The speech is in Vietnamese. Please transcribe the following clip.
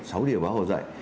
sáu điều bác hồ dạy